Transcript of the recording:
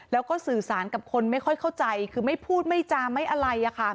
แล้วก็สื่อสารกับคนไม่ค่อยเข้าใจคือไม่พูดไม่จามไม่อะไร